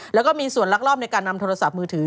แล้วก็มีส่วนลักลอบในการนำโทรศัพท์มือถือ